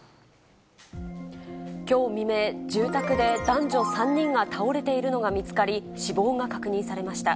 きょう未明、住宅で男女３人が倒れているのが見つかり、死亡が確認されました。